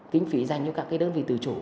kinh phí dành cho các cái đơn vị từ chủ